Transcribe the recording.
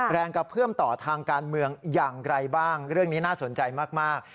แรงกระเพื่อมต่อทางการเมืองอย่างไรบ้างเรื่องนี้น่าสนใจมาก